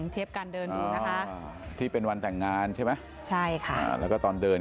เทียบการเดินอยู่นะคะที่เป็นวันแต่งงานใช่ไหมใช่ค่ะแล้วก็ตอนเดิน